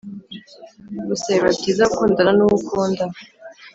gusa biba byiza gukundana nuwo ukunda"